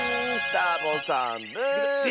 サボさんブーッ！